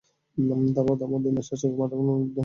তারপর তা মদীনার শাসক মারওয়ান ইবনে হাকামের নিকট উত্থাপন করল।